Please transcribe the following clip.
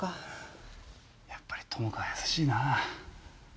やっぱり友佳は優しいな。